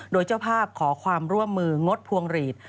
โดยเจ้าภาพขอความร่วมมืองดพวงหลีด